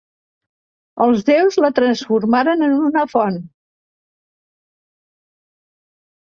Els déus la transformaren en una font.